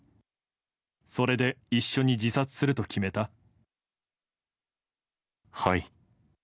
それで一緒に自殺すると決めはい。